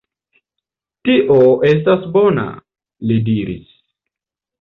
Tio estas bona, li diris.